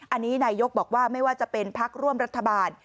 อันนี้นายยกบอกว่าไม่ว่าจะเป็นพักร่วมรัฐบาล